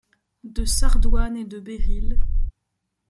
De sardoine et de béryl ;